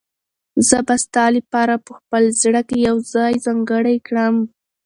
زه به ستا لپاره په خپل زړه کې یو ځای ځانګړی کړم.